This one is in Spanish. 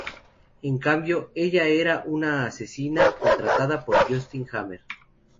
En cambio, ella era una asesina contratada por Justin Hammer.